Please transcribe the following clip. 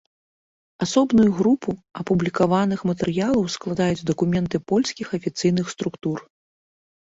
Асобную групу апублікаваных матэрыялаў складаюць дакументы польскіх афіцыйных структур.